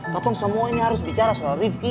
tolong semua ini harus bicara soal rifki